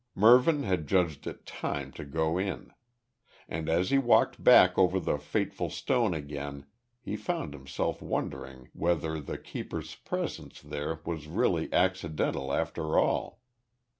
Mervyn had judged it time to go in. And as he walked back over the fateful stone again he found himself wondering whether the keeper's presence there was really accidental after all.